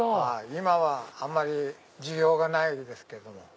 今はあんまり需要がないですけども。